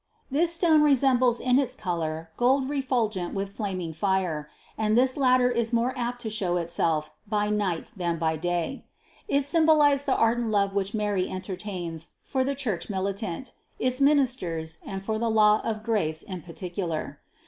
This stone resembles in its color gold refulgent with flaming fire; and this latter is more apt to show itself by night than by day. It symbolized the ardent love which Mary entertains for the Church militant, its ministers, and for the law of grace in particular.